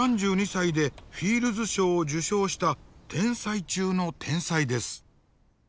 ３２歳でフィールズ賞を受賞した天才中の天才です。